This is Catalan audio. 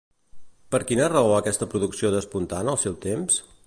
Per quina raó aquesta producció despuntà en el seu temps?